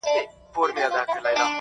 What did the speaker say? بې اختیاره وړي په پښو کي بېړۍ ورو ورو؛